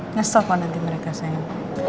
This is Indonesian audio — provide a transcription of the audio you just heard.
ngesel kok nanti mereka sayang